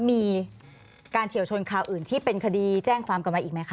มีการเฉียวชนคราวอื่นที่เป็นคดีแจ้งความกลับมาอีกไหมคะ